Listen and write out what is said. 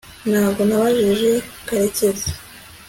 ntabwo nabajije karekezi